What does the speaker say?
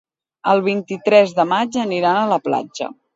El vint-i-tres de maig aniran a la platja.